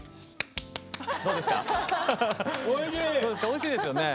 おいしいですよね。